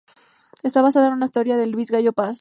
Está basada en una historia de Luis Gayo Paz.